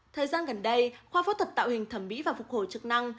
thời gian gần đây khoa phẫu thuật tạo hình thẩm mỹ và phục hồi chức năng